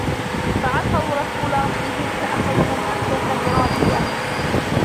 فعصوا رسول ربهم فأخذهم أخذة رابية